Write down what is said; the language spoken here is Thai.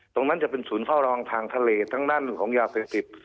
ตรงนั้นจะเป็นศูนย์เฝ้ารองทางทะเลทั้งด้านของยาเสพติด